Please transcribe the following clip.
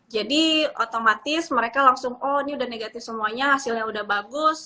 jadi otomatis mereka langsung oh ini udah negatif semuanya hasilnya udah bagus